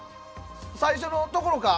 最初のところか？